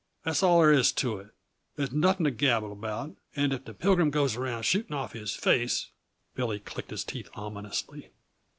That's all there is to it. There's nothing to gabble about, and if the Pilgrim goes around shooting off his face " Billy clicked his teeth ominously.